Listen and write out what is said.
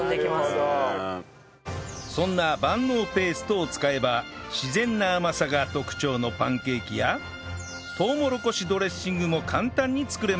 そんな万能ペーストを使えば自然な甘さが特徴のパンケーキやとうもろこしドレッシングも簡単に作れます